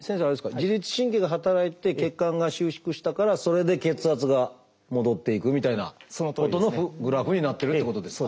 自律神経が働いて血管が収縮したからそれで血圧が戻っていくみたいなことのグラフになってるってことですか？